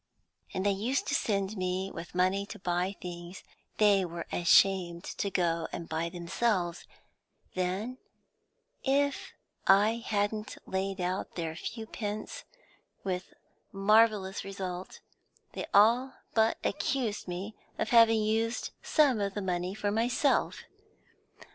And they used to send me with money to buy things they were ashamed to go and buy themselves; then, if I hadn't laid out their few pence with marvellous result, they all but accused me of having used some of the money for myself.